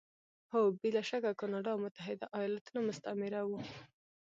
هو! بې له شکه کاناډا او متحده ایالتونه مستعمره وو.